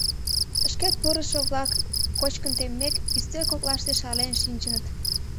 Шкет пурышо-влак, кочкын теммек, ӱстел коклаште шарлен шинчыныт.